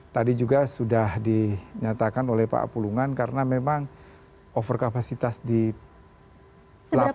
tadi juga sudah dinyatakan oleh pak apulungan karena memang over kapasitas di pelapangan